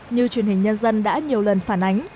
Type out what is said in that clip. như truyền hình nhân dân đã nhiều lần phản ánh